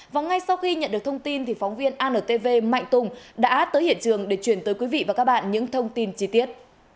đã tới hiện trường để truyền tới quý vị và các bạn những thông tin chi tiết